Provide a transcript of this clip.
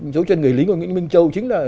dấu chân người lính của nguyễn minh châu chính là